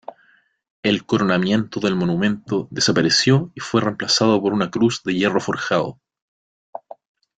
El coronamiento del monumento desapareció y fue reemplazado por una cruz de hierro forjado.